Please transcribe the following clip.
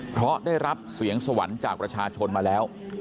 เพราะได้รับเสียงสวรรค์จากประชาชนมาแล้ว